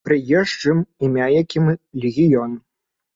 Прыезджым, імя якім легіён!